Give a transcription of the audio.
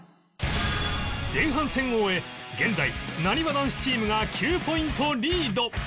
前半戦を終え現在なにわ男子チームが９ポイントリード